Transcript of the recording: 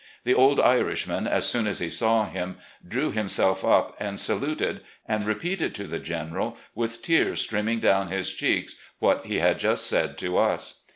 The old Irishman, as soon as he saw him, drew himself up and saluted, and repeated to the General, with tears streaming down his cheeks, what he had just said to xis.